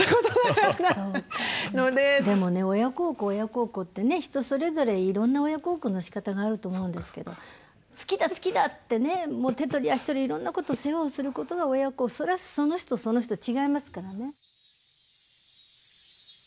でもね親孝行親孝行ってね人それぞれいろんな親孝行のしかたがあると思うんですけど好きだ好きだって手取り足取りいろんなこと世話をすることが親それはその人その人違いますからね。